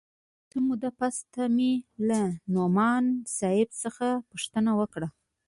څه موده پس ته مې له نعماني صاحب څخه پوښتنه وکړه.